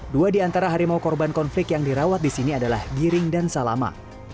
dua di antara harimau korban konflik yang dirawat di sini adalah giring dan salama